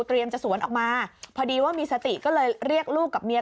จะสวนออกมาพอดีว่ามีสติก็เลยเรียกลูกกับเมีย